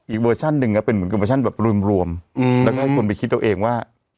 อีกเวอร์ชั่นหนึ่งอะเป็นเหมือนกับเวอร์ชั่นแบบรวมรวมอืมแล้วก็ให้คุณไปคิดเอาเองว่า